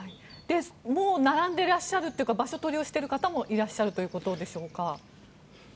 もう並んでいらっしゃるというか場所取りをしてる方もいらっしゃるということでしょうか。